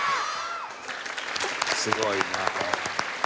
すごいな。